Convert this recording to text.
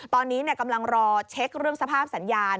ตอนนี้กำลังรอเช็คเรื่องสภาพสัญญาณ